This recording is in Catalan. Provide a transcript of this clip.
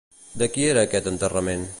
De qui era aquest enterrament?